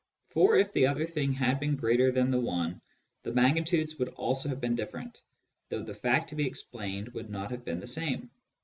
For if the other thing had been greater than the one, the magnitudes would also have been different, though the fact to be explained would not have been the same.